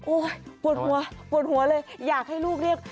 ปวดหัวปวดหัวเลยอยากให้ลูกเรียก